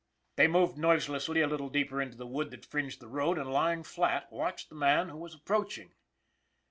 They moved noiselessly a little deeper into the wood that fringed the road, and lying flat, watched the man who was approaching.